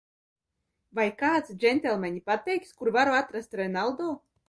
Vai kāds, džentelmeņi, pateiks, kur varu atrast Renaldo?